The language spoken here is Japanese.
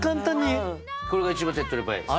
これが一番手っとり早いです。